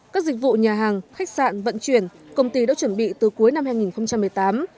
các dịch vụ nhà hàng khách sạn vận chuyển công ty đã chuẩn bị từ cuối năm hai nghìn một mươi tám